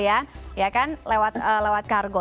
ya kan lewat kargo